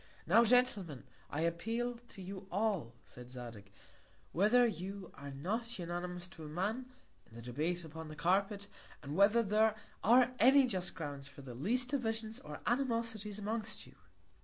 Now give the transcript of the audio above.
Now, Gentlemen, I appeal to you all, said Zadig, whether you are not unanimous to a Man, in the Debate upon the Carpet, and whether there are any just Grounds for the least Divisions or Animosities amongst you.